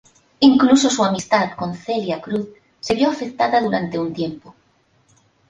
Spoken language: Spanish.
Incluso su amistad con Celia Cruz se vio afectada durante un tiempo.